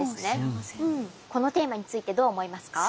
このテーマについてどう思いますか？